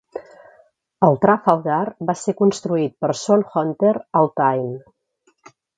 El "Trafalgar" va ser construït per Swan Hunter al Tyne.